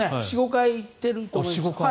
４５回行ってると思います。